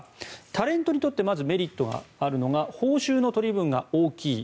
タレントにとってメリットがあるのが報酬の取り分が大きい。